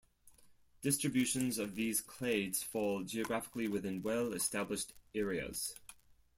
Distributions of these clades fall geographically within well established areas.